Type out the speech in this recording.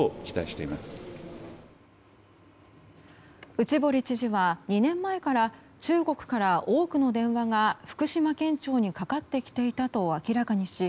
内堀知事は、２年前から中国から多くの電話が福島県庁にかかってきていたと明らかにし